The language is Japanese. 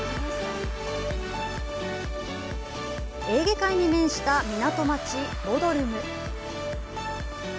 エーゲ海に面した港町「ボドルム」。